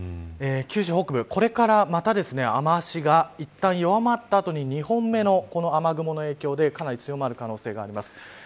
九州北部、これからまた雨脚がいったん弱まった後に２本目の雨雲の影響でかなり強まる可能性があります。